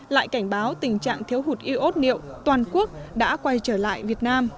lại cảnh báo tình trạng thiếu hụt iốt neo toàn quốc đã quay trở lại việt nam